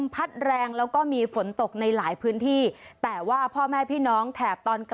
ฮัลโหลฮัลโหลฮัลโหลฮัลโหลฮัลโหลฮัลโหล